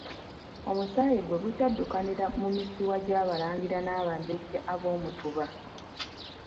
Omusaayi gwe gukyaddukanira mu misuwa gy'abalangira n'abambejja ab'omu Mutuba.